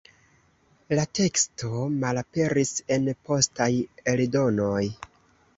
La teksto malaperis en postaj eldonoj.